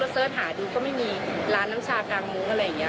เสิร์ชหาดูก็ไม่มีร้านน้ำชากางมุ้งอะไรอย่างนี้